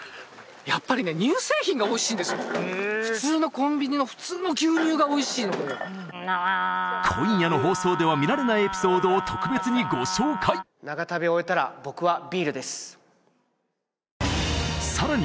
やっぱりね普通のコンビニの普通の牛乳がおいしいので今夜の放送では見られないエピソードを特別にご紹介さらに